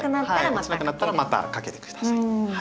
落ちなくなったらまた掛けて下さい。